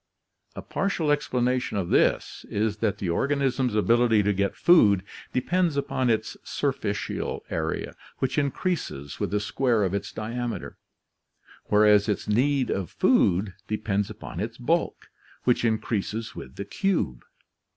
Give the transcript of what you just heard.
A partial explanation of this is that the organism's ability to get food depends upon its surficial area, which increases with the square of its diameter, whereas its need of food depends upon its bulk, which increases with the cube.